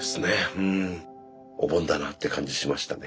うん。お盆だなって感じしましたね。